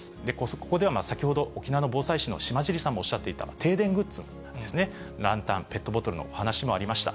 ここでは、先ほど沖縄の防災士の島尻さんもおっしゃっていた停電グッズ、ランタン、ペットボトルの話もありました。